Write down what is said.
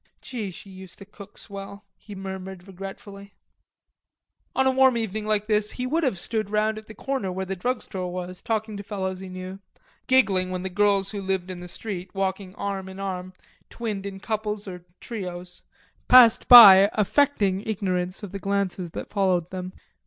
"Gee, she used to cook swell," he murmured regretfully. On a warm evening like this he would have stood round at the corner where the drugstore was, talking to fellows he knew, giggling when the girls who lived in the street, walking arm and arm, twined in couples or trios, passed by affecting ignorance of the glances that followed them.